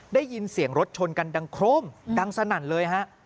ได้ยินเสียงรถชนกันดังโครมดังสนั่นเลยฮะ